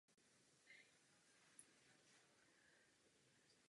Během cesty v Mnichově náhle zemřel.